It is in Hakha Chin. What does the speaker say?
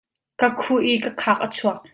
Ka khuh i ka khak a chuak.